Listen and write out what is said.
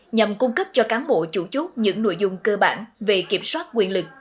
nhằm cung cấp cho cán bộ chủ chốt những nội dung cơ bản về kiểm soát quyền lực